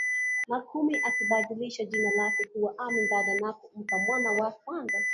na kumi akibadilisha jina lake kuwa Amin Dada na kumpa mwana wa kwanza